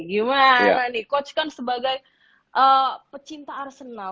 gimana nih coach kan sebagai pecinta arsenal